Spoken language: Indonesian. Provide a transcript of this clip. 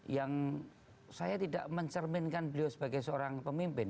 yang saya tidak mencerminkan beliau sebagai seorang pemimpin